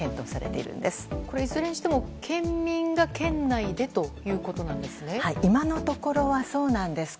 いずれにしても県民が県内でということですね。